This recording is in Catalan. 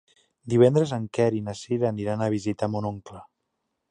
Divendres en Quer i na Cira aniran a visitar mon oncle.